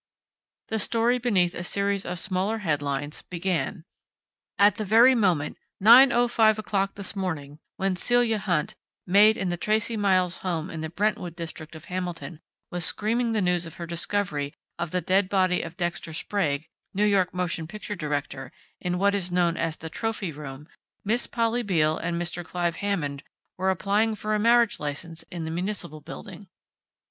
The story beneath a series of smaller headlines began: "At the very moment 9:05 o'clock this morning when Celia Hunt, maid in the Tracey Miles home in the Brentwood district of Hamilton, was screaming the news of her discovery of the dead body of Dexter Sprague, New York motion picture director, in what is known as the 'trophy room,' Miss Polly Beale and Mr. Clive Hammond were applying for a marriage license in the Municipal Building.